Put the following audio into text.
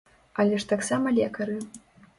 Але ж таксама лекары!